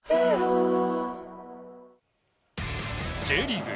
Ｊリーグ